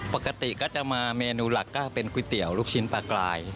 ปกติก็จะมาเมนูหลักก็เป็นก๋วยเตี๋ยวลูกชิ้นปลากลาย